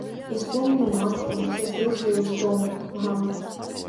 Успомні матку, сястру сваю ўспомні, га!